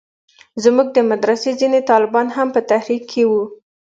زموږ د مدرسې ځينې طالبان هم په تحريک کښې وو.